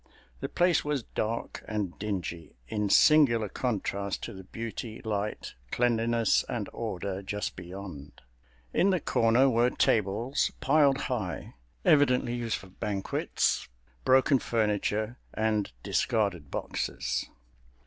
The place was dark and dingy, in singular contrast to the beauty, light, cleanliness and order just beyond. In the corner were tables piled high—evidently used for banquets—broken furniture and discarded boxes.